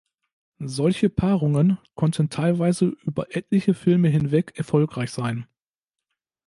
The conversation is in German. Solche Paarungen konnten teilweise über etliche Filme hinweg erfolgreich sein.